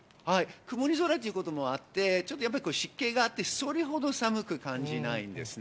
曇り空ということもあって、ちょっと湿気があって、それほど寒く感じないですね。